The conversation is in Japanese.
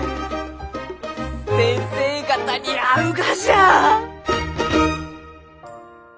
先生方に会うがじゃ！